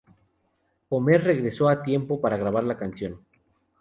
Comer regresó a tiempo para grabar la canción.